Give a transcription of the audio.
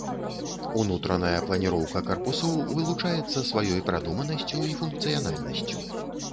Унутраная планіроўка карпусоў вылучаецца сваёй прадуманасцю і функцыянальнасцю.